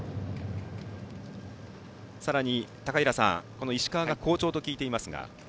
さらに、高平さん石川が好調と聞いていますが。